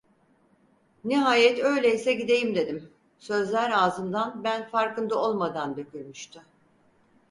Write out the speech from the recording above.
Nihayet: "Öyleyse gideyim!" dedim, sözler ağzımdan ben farkında olmadan dökülmüştü.